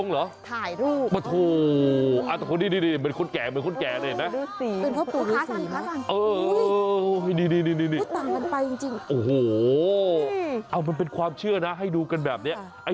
โหเป็นความเชื่อนะให้ดูกันแบบนี้